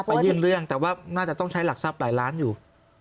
ยื่นเรื่องแต่ว่าน่าจะต้องใช้หลักทรัพย์หลายล้านอยู่